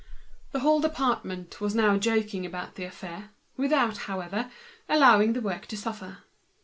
The whole department was now joking about the affair, without, however, allowing the work to suffer.